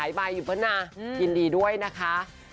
ยินดีด้วยนะคะ